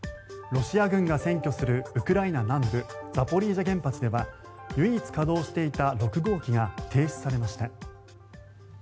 ロシア軍が占拠するウクライナ南部ザポリージャ原発では唯一稼働していた６号機が停止されました。